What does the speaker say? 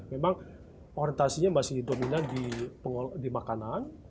memang orientasinya masih dominan di makanan